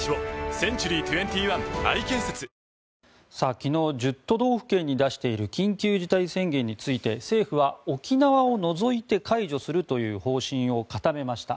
昨日１０都道府県に出している緊急事態宣言について政府は沖縄を除いて解除するという方針を固めました。